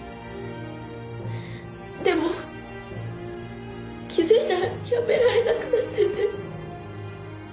でも気づいたらやめられなくなってて。